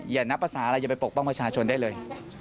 อย่านับภาษาอะไรอย่าไปปกป้องประชาชนได้เลย